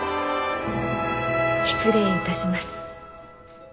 失礼いたします。